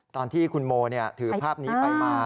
ตอนที่คุณโมถือภาพนี้ไปมา